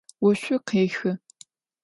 Voşsu khêxı.